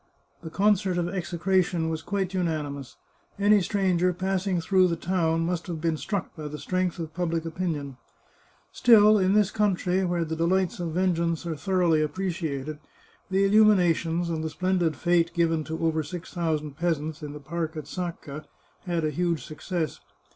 The concert of execration was quite unanimous. Any stranger passing through the town must have been struck by the strength of public opinion. Still, in this coun 424 The Chartreuse of Parma try, where the delights of vengeance are thoroughly appre ciated, the illuminations and the splendid fete given to over six thousand peasants in the park at Sacca had a huge suc cess.